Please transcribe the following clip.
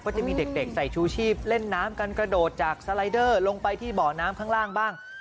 ก็จะมีเด็กใส่ชูชีพเล่นน้ำกันกระโดดจากสไลเดอร์ลงไปที่บ่อน้ำข้างล่างบ้าง